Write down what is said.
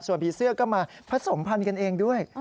ส่วนผีเสื้อก็มาผสมพันธุ์กันเองด้วย